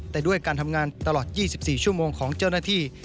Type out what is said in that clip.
แต่ด้วยการทำงานตลอด๒๔ชั่วโมงของเจ้าหน้าที่